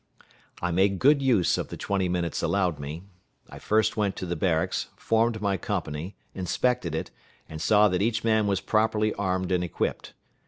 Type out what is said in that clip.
I made good use of the twenty minutes allowed me. I first went to the barracks, formed my company, inspected it, and saw that each man was properly armed and equipped.